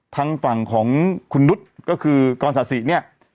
ทางฝั่งของคุณนุษย์ก็คือกรศาสิเนี่ย